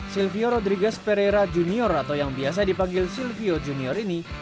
sylvio rodrigas pereira junior atau yang biasa dipanggil silvio junior ini